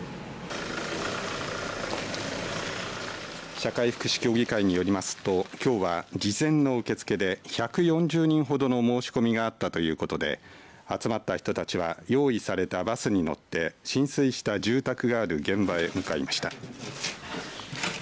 社会福祉協議会によりますときょうは事前の受け付けで１４０人ほどの申し込みがあったということで集まった人たちは用意されたバスに乗って浸水した住宅がある現場へ向かいました。